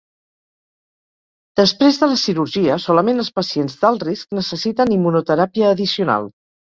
Després de la cirurgia solament els pacients d'alt risc necessiten immunoteràpia addicional.